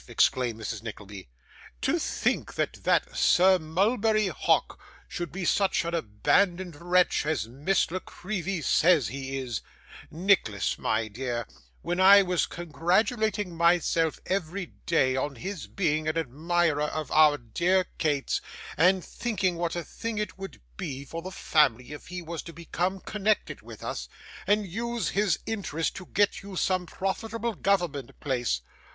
exclaimed Mrs. Nickleby. 'To think that that Sir Mulberry Hawk should be such an abandoned wretch as Miss La Creevy says he is, Nicholas, my dear; when I was congratulating myself every day on his being an admirer of our dear Kate's, and thinking what a thing it would be for the family if he was to become connected with us, and use his interest to get you some profitable government place.